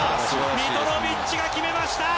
ミトロヴィッチが決めました。